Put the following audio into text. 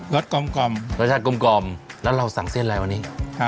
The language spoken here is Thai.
รสกมกมรสกมกมแล้วเราสั่งเส้นอะไรวันนี้